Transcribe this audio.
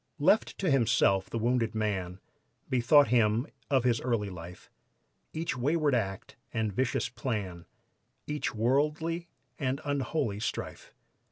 Left to himself the wounded man Bethought him of his early life, Each wayward act and vicious plan, Each worldly and unholy strife.